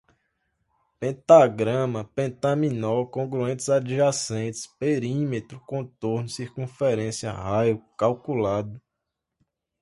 pentagrama, pentaminó, congruentes adjacentes, perímetro, contorno, circunferência, raio, calculado